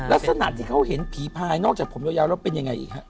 ลักษณะที่เขาเห็นผีพายนอกจากผมยาวแล้วเป็นยังไงอีกฮะ